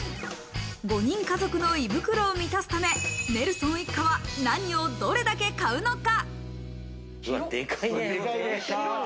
５人家族の胃袋を満たすため、ネルソン一家は何をどれだけ買うのか？